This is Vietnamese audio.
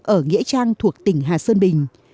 ở nghĩa trang thuộc tỉnh hà sơn bình